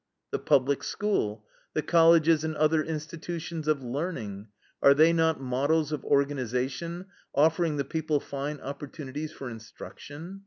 "The Public School! The colleges and other institutions of learning, are they not models of organization, offering the people fine opportunities for instruction?